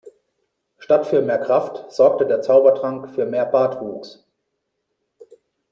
Statt für mehr Kraft sorgte der Zaubertrank für mehr Bartwuchs.